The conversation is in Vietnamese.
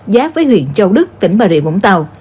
giáp với huyện châu đức tỉnh bà rịa vũng tàu